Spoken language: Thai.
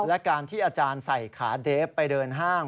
และการที่อาจารย์ใส่ขาเดฟไปเดินห้าง